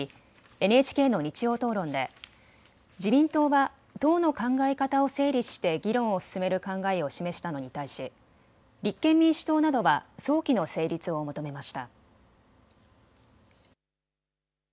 ＮＨＫの日曜討論で自民党は党の考え方を整理して議論を進める考えを示したのに対し立憲民主党などは早期の成立を求めました。